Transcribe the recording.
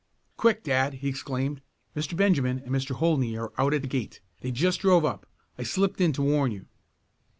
"Quick dad!" he exclaimed. "Mr. Benjamin and Mr. Holdney are out at the gate. They just drove up. I slipped in to warn you!"